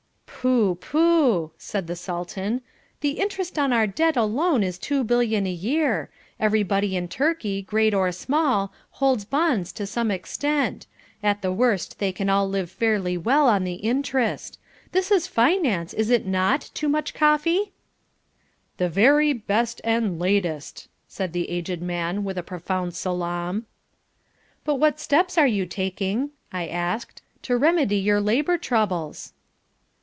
"Pooh, pooh," said the Sultan. "The interest on our debt alone is two billion a year. Everybody in Turkey, great or small, holds bonds to some extent. At the worst they can all live fairly well on the interest. This is finance, is it not, Toomuch Koffi?" "The very best and latest," said the aged man with a profound salaam. "But what steps are you taking," I asked, "to remedy your labour troubles?"